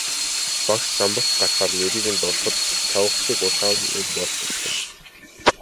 Багш самбарт гаргахаар нэрийг нь дуудахад л чавга шиг улаан юм болж орхино.